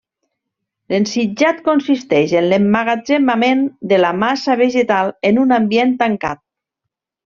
L'ensitjat consisteix en l'emmagatzemament de la massa vegetal en un ambient tancat.